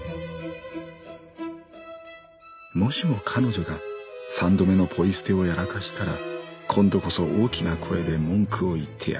「もしも彼女が三度目のポイ捨てをやらかしたら今度こそ大きな声で文句を言ってやる。